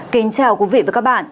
kính chào quý vị và các bạn